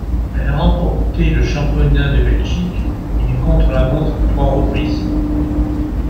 Elle a remporté le championnat de Belgique du contre-la-montre à trois reprises.